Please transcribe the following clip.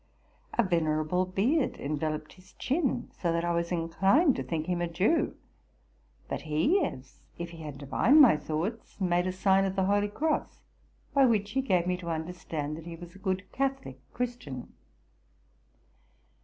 A venerable beard enyeloped his chin, so that I was inclined to think him aJew. But he, as if he had divined my thoughts, made the sign of the holy cross, by which he gave me to under stand that he was a good Catholic Christian.